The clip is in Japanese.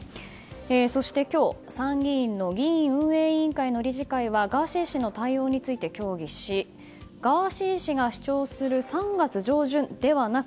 そして今日、参議院の議院運営委員会の理事会はガーシー氏の対応について協議しガーシー氏が主張する３月上旬ではなく